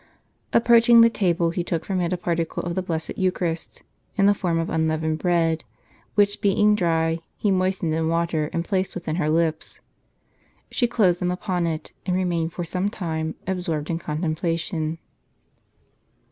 Approaching the table, he took from it a particle of the Blessed Eucharist, in the form of unleavened bread, which, being dry, he moistened in water, and placed within her lips.* She closed them upon it, and remained for some time absorbed in contemplation.